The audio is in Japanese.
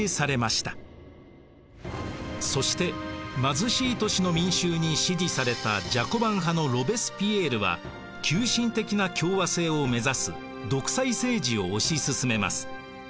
そして貧しい都市の民衆に支持されたジャコバン派のロベスピエールは急進的な共和政を目指す独裁政治を押し進めます。